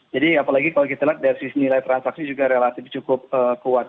jadi apalagi kalau kita lihat dari sisi nilai transaksi juga relatif cukup kuat